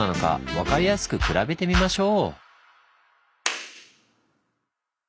分かりやすく比べてみましょう！